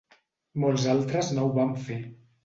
Molts altres no ho van fer.